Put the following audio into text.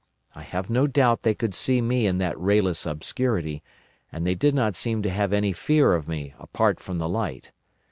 I have no doubt they could see me in that rayless obscurity, and they did not seem to have any fear of me apart from the light.